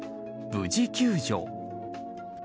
無事、救助。